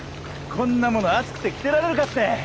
こんなもの暑くて着てられるかって。